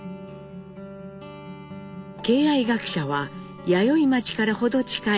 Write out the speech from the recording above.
敬愛学舎は弥生町から程近い